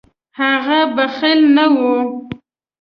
هغه بخیل نه و.